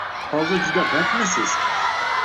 Hozir juda bandmisiz?